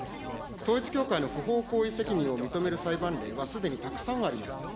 統一教会の不法行為責任を認める裁判例は、すでにたくさんあります。